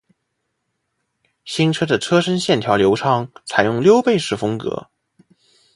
新车的车身线条流畅，采用溜背式风格